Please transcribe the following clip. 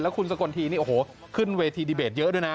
คุณสกลทีนี่โอ้โหขึ้นเวทีดีเบตเยอะด้วยนะ